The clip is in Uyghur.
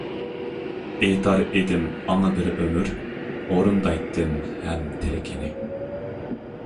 ئېيتار ئىدىم ئاڭا بىر ئۆمۈر، ئورۇندايتتىم ھەم تىلىكىنى.